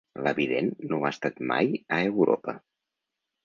La vident no ha estat mai a Europa.